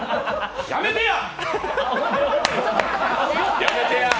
やめてや！